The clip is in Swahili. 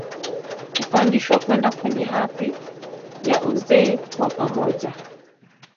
Hupandishwa kwenda kwenye hadhi ya uzee kwa pamoja